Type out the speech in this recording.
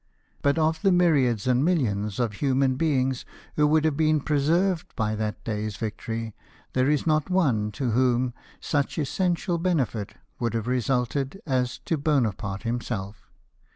But of the myriads and millions of human beings who would have been preserved by that day's victory, there is not one to whom such essential J 2 132 LIFE OF NELSON. benefit would have resulted as to Bonaparte himself.